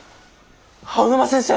青沼先生。